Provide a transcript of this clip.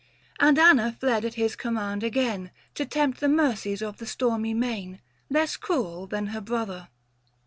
And Anna fled at his command, again To tempt the mercies of the stormy main, Less cruel than her brother.